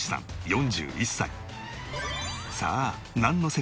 ４１歳。